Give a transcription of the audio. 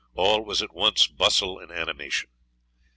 All was at once bustle and animation.